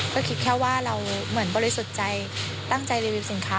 ก็คิดแค่ว่าเราเหมือนบริสุทธิ์ใจตั้งใจรีวิวสินค้า